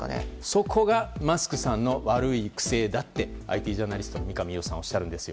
そこがマスクさんの悪い癖だとＩＴジャーナリストの三上洋さんはおっしゃります。